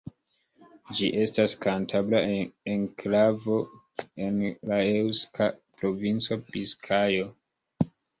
Ĝi estas kantabra enklavo en la eŭska provinco Biskajo.